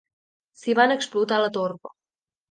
S'hi van explotar la torba.